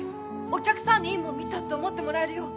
お客さんにいいもん見たって思ってもらえるよう